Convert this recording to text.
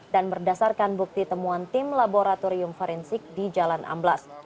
dan berdasarkan bukti temuan tim laboratorium forensik di jalan amblas